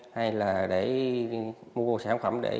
hay là để mua sản phẩm